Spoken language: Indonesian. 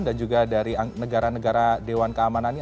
dan juga dari negara negara dewan keamanan ini